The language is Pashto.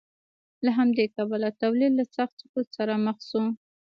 له همدې کبله تولید له سخت سقوط سره مخ شو